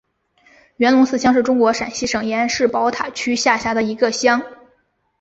元龙寺乡是中国陕西省延安市宝塔区下辖的一个乡。